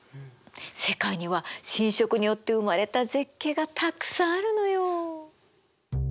世界には侵食によって生まれた絶景がたくさんあるのよ。